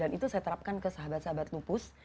itu saya terapkan ke sahabat sahabat lupus